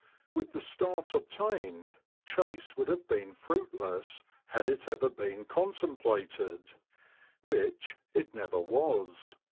With the start obtained, chase would have been fruitless had it ever been contemplated — which it never was.